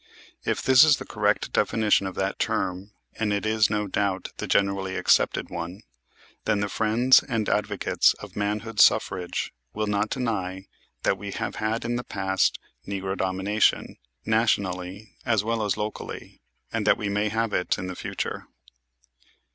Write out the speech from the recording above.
If this is the correct definition of that term, and it is, no doubt, the generally accepted one, then the friends and advocates of manhood suffrage will not deny that we have had in the past "Negro Domination," nationally as well as locally, and that we may have it in the future.